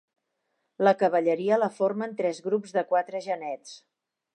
La cavalleria la formen tres grups de quatre genets.